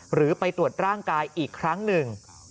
หรือไปตรวจร่างกายอีกครั้งหนึ่ง